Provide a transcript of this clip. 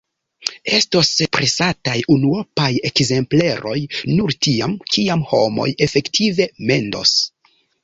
Estos presataj unuopaj ekzempleroj nur tiam, kiam homoj efektive mendos.